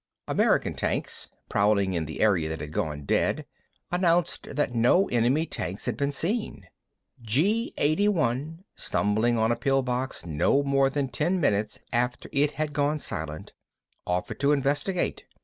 American tanks, prowling in the area that had gone dead, announced that no enemy tanks had been seen. G 81, stumbling on a pill box no more than ten minutes after it had gone silent, offered to investigate.